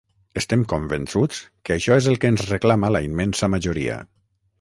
Estem convençuts que això és el que ens reclama la immensa majoria